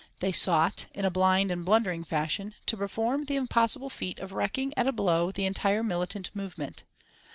They sought, in a blind and blundering fashion, to perform the impossible feat of wrecking at a blow the entire militant movement.